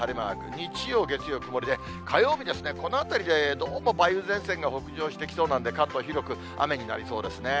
日曜、月曜、曇りで、火曜日ですね、このあたりでどうも梅雨前線が北上してきそうなので、関東、広く雨になりそうですね。